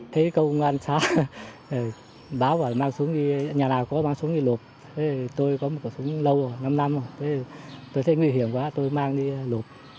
thấy công an xã báo bảo mang súng đi nhà nào có mang súng đi lột tôi có một súng lâu rồi năm năm rồi tôi thấy nguy hiểm quá tôi mang đi lột